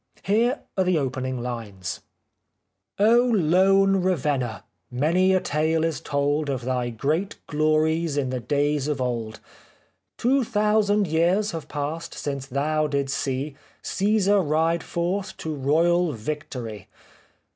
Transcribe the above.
Here are the opening lines :" O lone Ravenna ! many a tale is told Of thy great glories in the days of old : Two thousand years have passed since thou didst see Caesar ride forth to royal victory.